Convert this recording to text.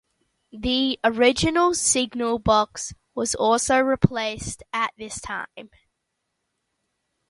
The original signal box was also replaced at this time.